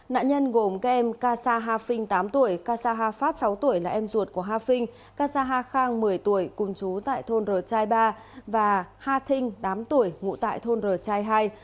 nạn nhân gồm các em kasa ha phinh tám tuổi kasa ha phát sáu tuổi là em ruột của ha phinh kasa ha khang một mươi tuổi cùng chú tại thôn r chai ba và ha thinh tám tuổi ngụ tại thôn r chai hai